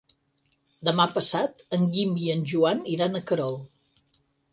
Demà passat en Guim i en Joan iran a Querol.